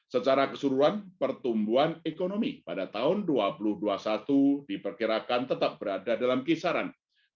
secara keseluruhan pertumbuhan ekonomi pada tahun dua ribu dua puluh satu diperkirakan tetap berada dalam kisaran